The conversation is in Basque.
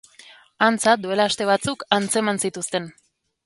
Antza, duela aste batzuk antzeman zituzten.